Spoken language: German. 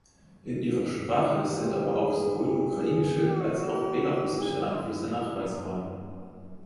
In ihrer Sprache sind aber auch sowohl ukrainische als auch belarussische Einflüsse nachweisbar.